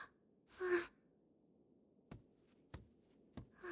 うん。